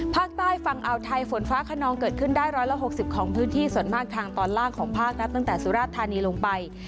ภาคใต้ฝั่งอ่าวไทยฝนฟ้าขนองเกิดขึ้นได้๑๖๐ของพื้นที่ส่วนมากทางตอนล่างของภาคนับตั้งแต่สุราชธานีลงไป